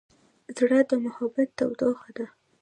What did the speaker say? زړه د محبت تودوخه ده.